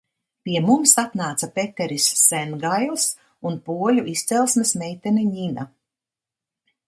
Pie mums atnāca Peteris Sengails un poļu izcelsmes meitene Ņina.